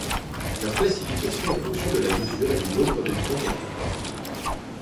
Leur classification est fonction de la mesure et du nombre de temps qu'elles comportent.